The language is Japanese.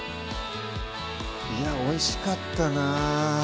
いやおいしかったなぁ